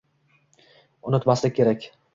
Unutmaslik kerak.